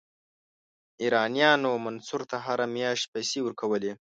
ایرانیانو منصور ته هره میاشت پیسې ورکولې.